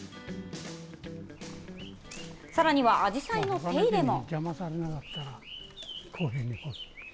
さらにはあじさいの手入れも。